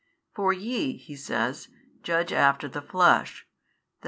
For YE (He says) judge after the flesh, i.